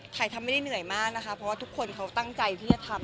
ทำไม่ได้เหนื่อยมากนะคะเพราะว่าทุกคนเขาตั้งใจที่จะทำ